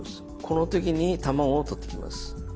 この時に卵を取ってきます。